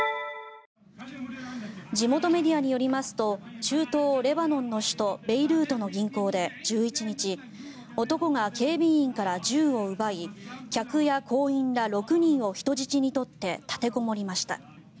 地元メディアによりますと中東レバノンの首都ベイルートの銀行で１１日男が警備員から銃を奪い客や行員ら６人を人質に取って立てこもりました。